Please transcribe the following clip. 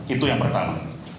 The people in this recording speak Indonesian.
itu yang pertama